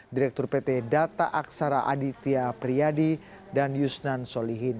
direktur pt data aksara aditya priyadi dan yusnan solihin